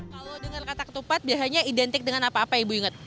kalau dengan kata ketupat biasanya identik dengan apa apa ibu ingat